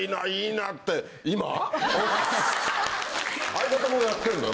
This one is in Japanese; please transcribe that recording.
相方もやってんの？